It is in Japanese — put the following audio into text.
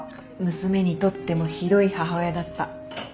娘にとってもひどい母親だった。